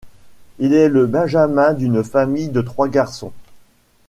Il est le benjamin d'une famille de trois garçons.